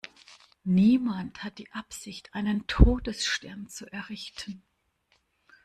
Niemand hat die Absicht, einen Todesstern zu errichten!